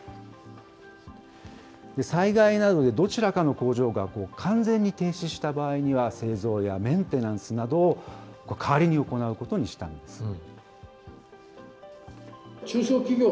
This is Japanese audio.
災害などでどちらかの工場が完全に停止した場合には、製造やメンテナンスなどを代わりに行うことにしたんです。